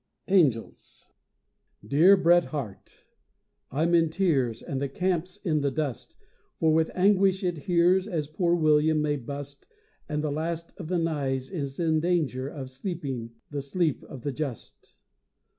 Angel's. DEAR BRET HARTE, I'm in tears, And the camp's in the dust, For with anguish it hears As poor William may bust, And the last of the Nyes is in danger of sleeping the sleep of the just.